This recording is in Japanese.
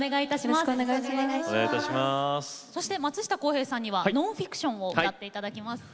そして松下洸平さんには「ノンフィクション」を歌っていただきます。